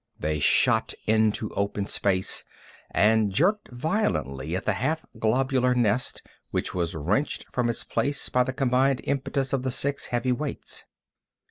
They shot into open space and jerked violently at the half globular nest, which was wrenched from its place by the combined impetus of the six heavy weights.